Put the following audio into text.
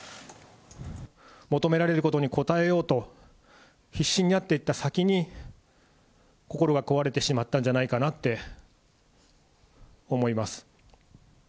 求められることに応えようと、必死になっていった先に、心が壊れてしまったんじゃないかなって思います。